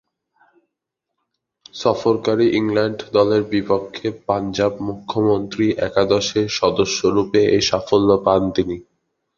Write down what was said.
সফরকারী England দলের বিপক্ষে পাঞ্জাব মূখ্যমন্ত্রী একাদশের সদস্যরূপে এ সাফল্য পান তিনি।